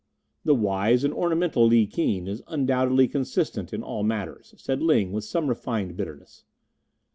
"The wise and ornamental Li Keen is undoubtedly consistent in all matters," said Ling, with some refined bitterness.